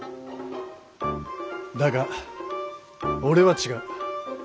だが俺は違う。